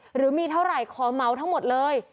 หรือมีเท่าไหร่ขอเหมาทั้งหมดเลย